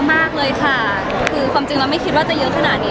เยอะมากเลยค่ะคือผมจริงแล้วไม่คิดว่าจะเยอะขนาดนี้